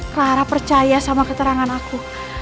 clara percaya sama keterangan aku